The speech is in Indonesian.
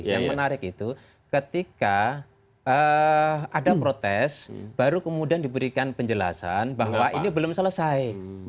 yang menarik itu ketika ada protes baru kemudian diberikan penjelasan bahwa ini belum selesai